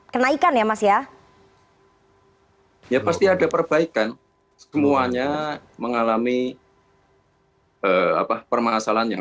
kenaikan ya mas ya ya pasti ada perbaikan semuanya mengalami apa permasalahan yang